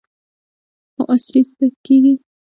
خو عصري کیږي.